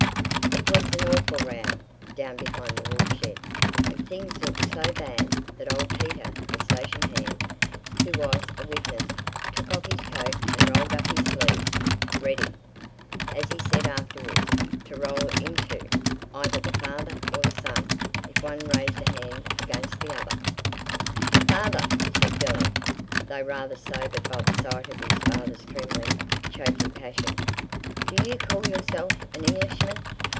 It was an awful row, down behind the wool shed, and things looked so bad that old Peter, the station hand, who was a witness, took off his coat and rolled up his sleeves, ready, as he said afterwards, "to roll into" either the father or the son if one raised a hand against the other. "Father!" said Billy, though rather sobered by the sight of his father's trembling, choking passion, "do you call yourself an Englishman?"